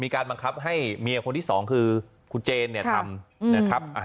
มีการบังคับให้เมียคนที่๒คือคุณเจนทำ